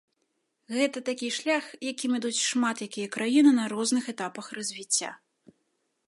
Гэта такі шлях, якім ідуць шмат якія краіны на розных этапах развіцця.